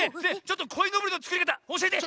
ちょっとこいのぼりのつくりかたおしえて！